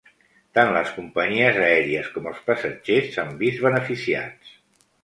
Tant les companyies aèries com els passatgers s"han vist beneficiats.